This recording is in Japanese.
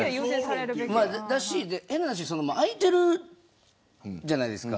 変な話空いてるじゃないですか。